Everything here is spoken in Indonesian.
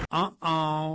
sarapan yuk yuk